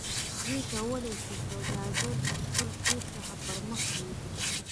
دوی کولی شي سوداګرۍ له خپل کور څخه پرمخ بوځي